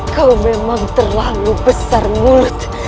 kau memang terlalu besar mulut